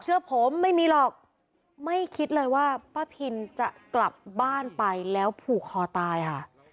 เชื่อผมไม่มีหรอกไม่คิดเลยว่าป้าพินจะกลับบ้านไปแล้วผูกคอตายค่ะ